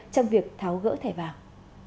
trong việc tháo gỡ thẻ vàng